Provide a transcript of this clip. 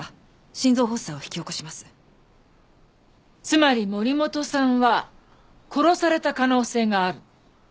つまり森本さんは殺された可能性がある。